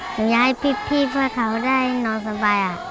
หนูอยากให้พี่เพื่อเขาได้นอนสบาย